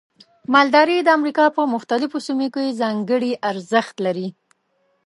مالداري د امریکا په مختلفو سیمو کې ځانګړي ارزښت لري.